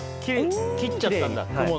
切っちゃったんだ雲の。